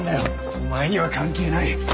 お前には関係ない。